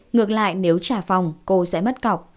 ngược lại nếu trả phòng cô sẽ mất cọc